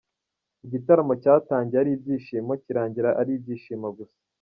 Igitaramo cyatangiye ari ibyishimo kirangira ari ibyishimo gusa.